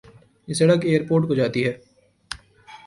یہ سڑک airport کو جاتی ہے